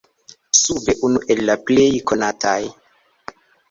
Sube unu el la plej konataj.